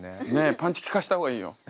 パンチ効かせた方がいいよ。